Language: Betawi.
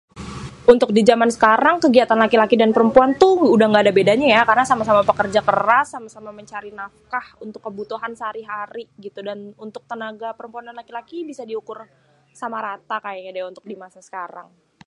untuk dijaman sekarang kegitan laki-laki dan perempuan tuh udah gada bedanya ya, karna sama-sama pekerja keras sama-sama mencari nafkah, untuk kebutuhan sehari-hari gitu doang, untuk tenaga perempuan dan lélaki bisa diukur sama rata kayényé déh untuk dimasa sekarang .